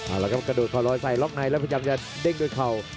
อ้าหลอกใส่ล็อกในพยายามจะเด้งโดยเข่า